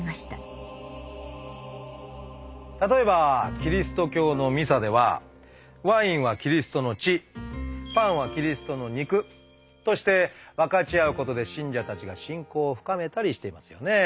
例えばキリスト教のミサではワインはキリストの血パンはキリストの肉として分かち合うことで信者たちが信仰を深めたりしていますよね。